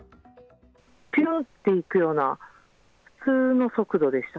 ぴゅんと行くような普通の速度でした。